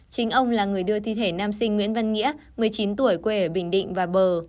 chính ông là người đưa thi thể nam sinh nguyễn văn nghĩa một mươi chín tuổi quê ở bình định vào bờ